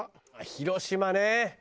広島ね。